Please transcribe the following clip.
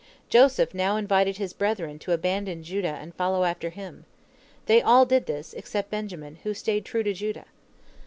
Joseph now invited his brethren to abandon Judah and follow after him. They all did thus, except Benjamin, who stayed true to Judah.